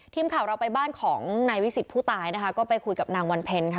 ทีมข่าวเราไปบ้านของนายวิสิตผู้ตายนะคะก็ไปคุยกับนางวันเพ็ญค่ะ